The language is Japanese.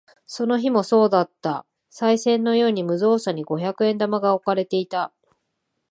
その日もそうだった。賽銭のように無造作に五百円玉が置かれていた。